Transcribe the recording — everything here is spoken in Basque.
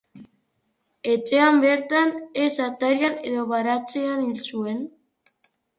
Etxean bertan —ez atarian edo baratzean— hil zuen.